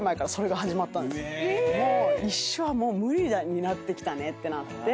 もう一緒は無理になってきたねってなって。